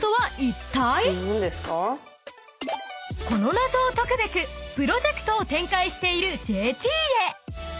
［この謎を解くべくプロジェクトを展開しているＪＴへ］